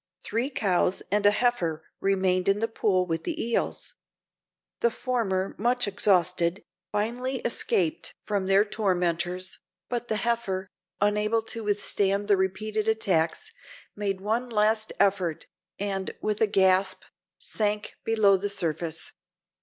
Three cows and a heifer remained in the pool with the eels. The former, much exhausted, finally escaped from their tormentors, but the heifer, unable to withstand the repeated attacks, made one last effort, and, with a gasp, sank below the surface.